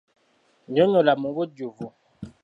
Nnyonnyola mu bujjuvu.